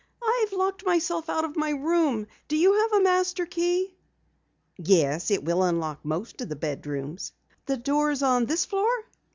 "I've locked myself out of my room. Do you have a master key?" "Yes, it will unlock most of the bedrooms." "The doors on this floor?"